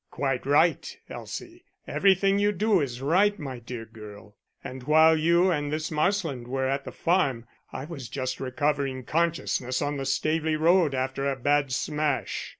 "Quite right, Elsie everything you do is right, my dear girl. And while you and this Marsland were at the farm I was just recovering consciousness on the Staveley road after a bad smash.